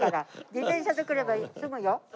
自転車で来ればすぐよ。